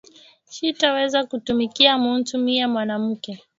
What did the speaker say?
Shita weza kutumikiya muntu miye mwanamuke